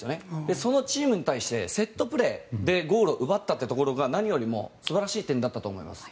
そのチームに対してセットプレーでゴールを奪ったというところが何よりも素晴らしい点だったと思います。